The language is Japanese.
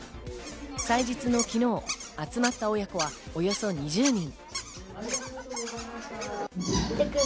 祭日の昨日、集まった親子はおよそ２０人。